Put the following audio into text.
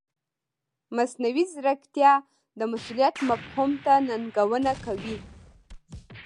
مصنوعي ځیرکتیا د مسؤلیت مفهوم ته ننګونه کوي.